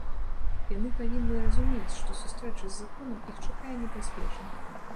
Яны павінны разумець, што сустрэча з законам іх чакае непазбежна.